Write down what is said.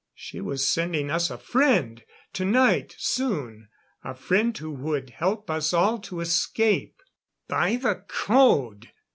She was sending us a friend tonight soon; a friend who would help us all to escape. "By the code!"